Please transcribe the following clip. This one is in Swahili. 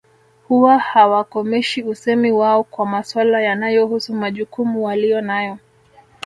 Huwa hawakomeshi usemi wao kwa maswala yanayohusu majukumu waliyo nayo